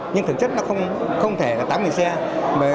nhưng thực chất nó không thể là tám xe